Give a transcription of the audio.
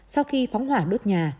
sau khi phóng hỏa đốt nhà